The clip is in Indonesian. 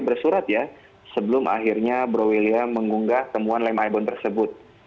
bersurat ya sebelum akhirnya bro william mengunggah temuan lem ibon tersebut